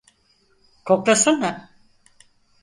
Koklasana.